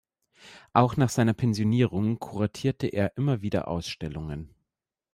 Auch nach seiner Pensionierung kuratierte er immer wieder Ausstellungen.